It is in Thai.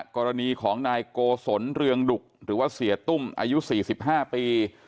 กรณีของนายโกศลเรืองดุกหรือว่าเสียตุ้มอายุ๔๕ปี